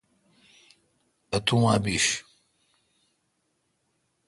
اتوما بش۔